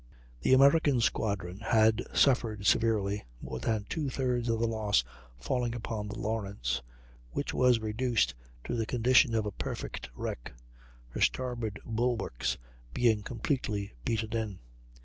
The American squadron had suffered severely, more than two thirds of the loss falling upon the Lawrence, which was reduced to the condition of a perfect wreck, her starboard bulwarks being completely beaten in.